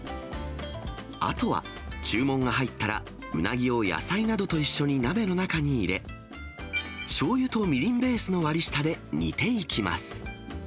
あとは、注文が入ったらうなぎを野菜などと一緒に鍋の中に入れ、しょうゆとみりんベースの割り下で煮ていきます。